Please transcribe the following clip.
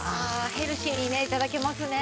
ヘルシーにね頂けますね。